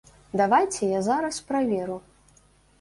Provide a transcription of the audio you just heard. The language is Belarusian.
Давайце я зараз праверу.